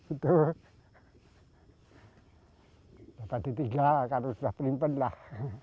itu apa ditinggal haruslah penimpan lah